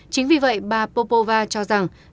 chính vì vậy bà popova cho rằng